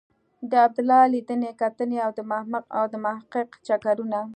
د عبدالله لیدنې کتنې او د محقق چکرونه.